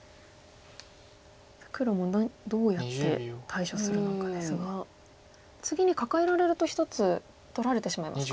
黒もどうやって対処するのかですが次にカカえられると１つ取られてしまいますか。